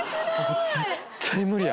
僕絶対無理や。